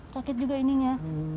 sakit juga ini ya